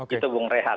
itu bung rehat